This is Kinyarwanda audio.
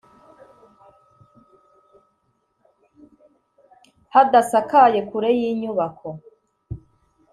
hadasakaye kure y inyubako